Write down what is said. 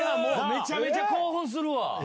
めちゃめちゃ興奮するわ！